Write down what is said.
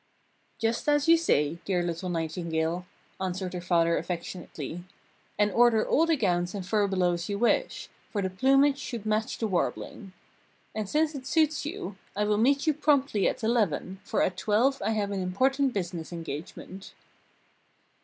"Just as you say, dear little nightingale," answered her father affectionately. "And order all the gowns and furbelows you wish, for the plumage should match the warbling. And since it suits you, I will meet you promptly at eleven, for at twelve I have an important business engagement."